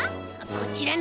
こちらの！